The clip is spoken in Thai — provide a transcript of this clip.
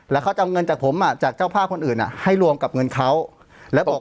แล้วเขาจะเอาเงินจากผมจากเจ้าพาคคนอื่นให้รวมกับเงินเขา